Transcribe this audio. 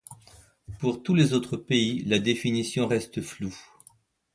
Pour tous les autres pays la définition reste floue.